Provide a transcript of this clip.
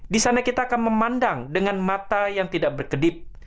di sana kita akan memandang dengan mata yang tidak berkedip